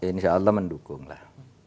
insya allah mendukung lah